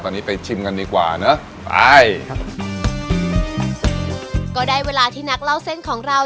ตอนนี้ไปชิมกันดีกว่าเนอะไปครับก็ได้เวลาที่นักเล่าเส้นของเรา